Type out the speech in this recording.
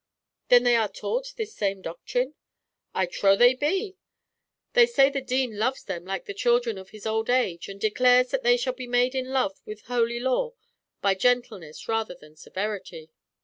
"Then they are taught this same doctrine?" "I trow they be. They say the Dean loves them like the children of his old age, and declares that they shall be made in love with holy lore by gentleness rather than severity."